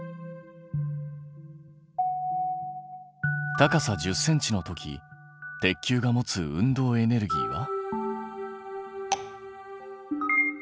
高さ１０ｃｍの時鉄球が持つ運動エネルギーは。